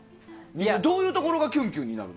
どういうところがキュンキュンになるの？